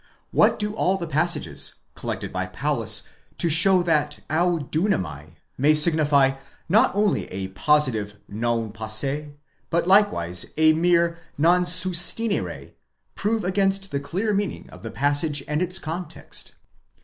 What do all the passages, collected by Paulus to show that od δύναμαι may signify not only a positive zon fosse, but likewise a mere non sustinere,! prove against the clear meaning of the passage and its context?